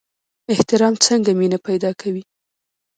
احترام څنګه مینه پیدا کوي؟